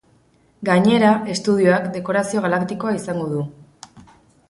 Gainera, estudioak dekorazio galaktikoa izango du.